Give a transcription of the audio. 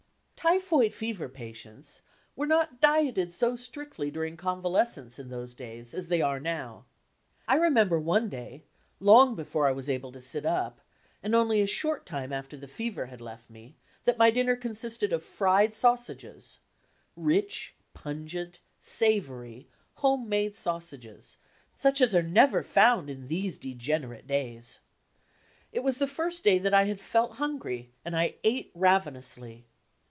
Typhoid fever patients were not dieted so stricdy dur '"> .,.„.,Google ing convalescence in those days as they are now. I remem ber one day, long before I was able to sit up, and only a short time after the fever had left me, that my dinner con sisted of fried sausages rich, pungent, savoury, home made sausages, such as are never found in these degenerate days. It was the first day that I had felt hungry, and I ate ravenously.